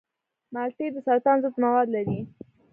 مالټې د سرطان ضد مواد لري.